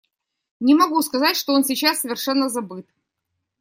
Не могу сказать, что он сейчас совершенно забыт.